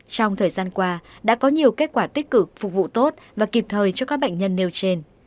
trong thời gian qua đã có nhiều kết quả tích cực phục vụ tốt và kịp thời cho các bệnh nhân nêu trên